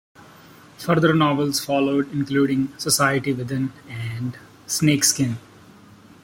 Further novels followed, including "Society Within" and "Snakeskin".